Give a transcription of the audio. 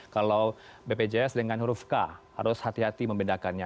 kalau bpjs dengan huruf k harus hati hati membedakannya